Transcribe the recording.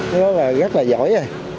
rất là giỏi